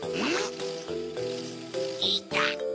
いた！